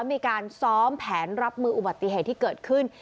มีการซ้อมแผนรับมืออุบัติเหตุที่เกิดขึ้น